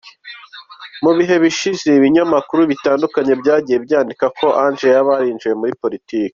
Mu bihe bishize, ibinyamakuru bitandukanye byagiye byandika ko Ange yaba yarinjiye muri Politiki.